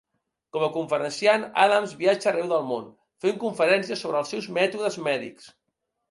Com a conferenciant, Adams viatja arreu del món fent conferències sobre els seus mètodes mèdics.